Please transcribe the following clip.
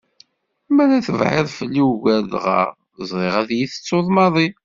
Mi ara tibɛid fell-i ugar dɣa ẓriɣ ad iyi-tettu maḍi.